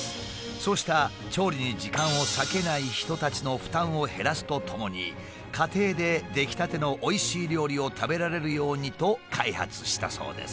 そうした調理に時間を割けない人たちの負担を減らすとともに家庭で出来たてのおいしい料理を食べられるようにと開発したそうです。